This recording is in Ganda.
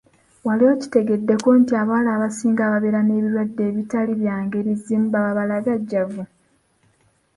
Wali okitegeddeko nti abawala abasinga ababeera n’ebirwadde ebitali bya ngeri zimu baba babalagavu ?